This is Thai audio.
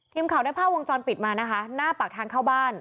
ทีมข่าวได้ภาพวงจรปิดมานะคะหน้าปากทางเข้าบ้าน